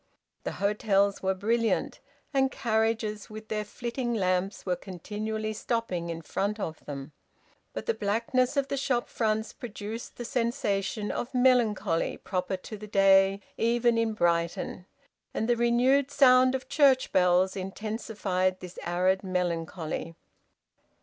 The hotels were brilliant, and carriages with their flitting lamps were continually stopping in front of them; but the blackness of the shop fronts produced the sensation of melancholy proper to the day even in Brighton, and the renewed sound of church bells intensified this arid melancholy.